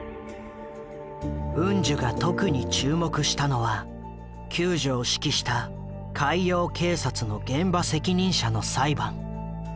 ウンジュが特に注目したのは救助を指揮した海洋警察の現場責任者の裁判。